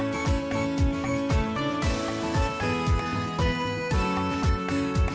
รับทราบรับรับ